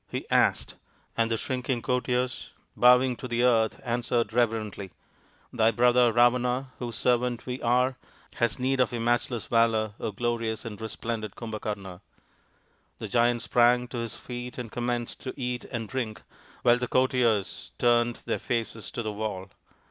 " he asked, and the shrinking courtiers, bowing to the earth, answered reverently, " Thy brother Ravana, whose servant we are, has need of your matchless valour, glorious and resplendent Kumbhakarna." The Giant sprang to his feet and commenced to eat and drink, while the courtiers turned their faces to the wall.